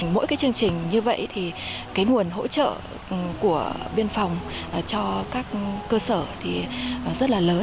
mỗi chương trình như vậy thì nguồn hỗ trợ của biên phòng cho các cơ sở rất là lớn